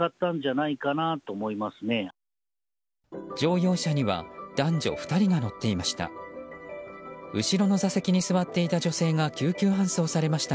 乗用車には男女２人が乗っていました。